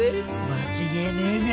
間違えねえべ。